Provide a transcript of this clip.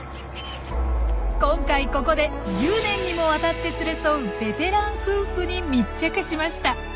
今回ここで１０年にもわたって連れ添うベテラン夫婦に密着しました。